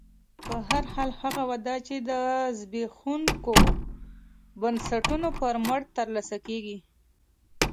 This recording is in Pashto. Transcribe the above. په هر حال هغه وده چې د زبېښونکو بنسټونو پر مټ ترلاسه کېږي